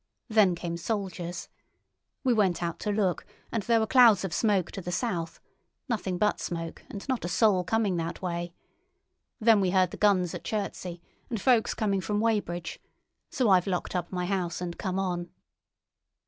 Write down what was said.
Then came soldiers. We went out to look, and there were clouds of smoke to the south—nothing but smoke, and not a soul coming that way. Then we heard the guns at Chertsey, and folks coming from Weybridge. So I've locked up my house and come on."